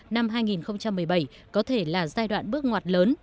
năm hai nghìn một mươi bảy có thể là giai đoạn bước ngoặt lớn